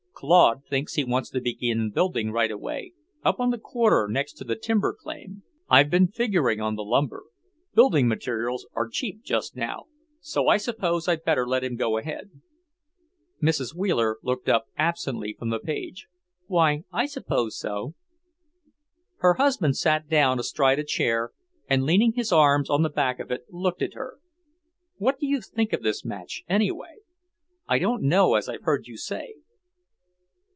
"Claude thinks he wants to begin building right away, up on the quarter next the timber claim. I've been figuring on the lumber. Building materials are cheap just now, so I suppose I'd better let him go ahead." Mrs. Wheeler looked up absently from the page. "Why, I suppose so." Her husband sat down astride a chair, and leaning his arms on the back of it, looked at her. "What do you think of this match, anyway? I don't know as I've heard you say."